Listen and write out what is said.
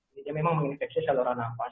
jadi dia memang menginfeksi saluran nafas